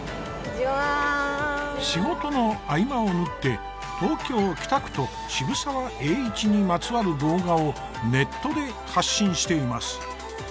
仕事の合間を縫って東京・北区と渋沢栄一にまつわる動画をネットで発信しています。